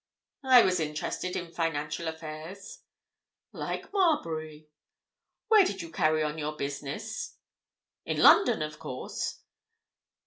"I was interested in financial affairs." "Like Marbury. Where did you carry on your business?" "In London, of course."